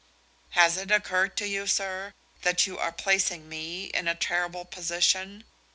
"Has it occurred to you, sir, that you are placing me in a terrible position?